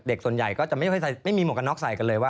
ส่วนใหญ่ก็จะไม่มีหมวกกันน็อกใส่กันเลยว่า